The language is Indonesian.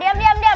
diam diam diam